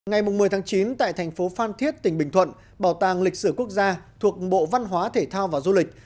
ngày một mươi tháng chín tại thành phố phan thiết tỉnh bình thuận bảo tàng lịch sử quốc gia thuộc bộ văn hóa thể thao và du lịch